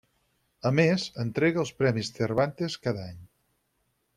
A més, entrega els Premis Cervantes cada any.